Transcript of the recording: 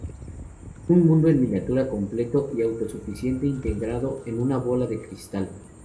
Un mundo en miniatura completo y autosuficiente integrado en una bola de cristal.